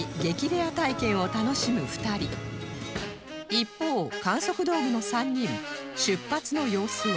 一方観測ドームの３人出発の様子は